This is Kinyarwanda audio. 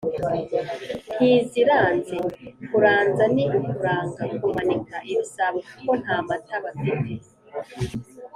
Ntiziranze: kuranza ni ukuranga (kumanika) ibisabo kuko nta mata bafite